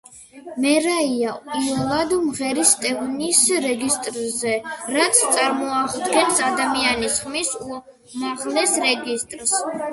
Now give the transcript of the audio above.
მერაია იოლად მღერის სტვენის რეგისტრზე, რაც წარმოადგენს ადამიანის ხმის უმაღლეს რეგისტრს.